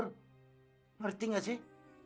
ngerti gak sih